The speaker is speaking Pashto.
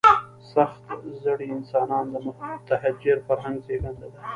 سخت زړي انسانان د متحجر فرهنګ زېږنده دي.